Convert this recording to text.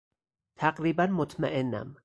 تقریبا مطمئنم.